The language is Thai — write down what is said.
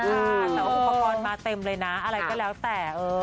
แต่ว่าอุปกรณ์มาเต็มเลยนะอะไรก็แล้วแต่